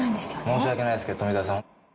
申し訳ないですけど富澤さん。